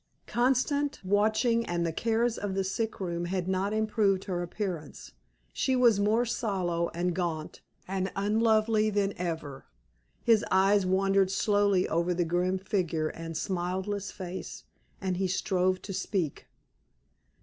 Constant watching and the cares of the sick room had not improved her appearance; she was more sallow, and gaunt, and unlovely than ever. His eyes wandered slowly over the grim figure and smileless face, and he strove to speak.